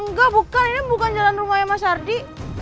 enggak bukan ini bukan jalan rumahnya mas ardi